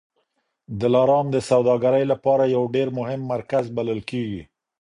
دلارام د سوداګرۍ لپاره یو ډېر مهم مرکز بلل کېږي.